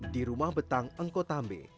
di rumah betang engkotambe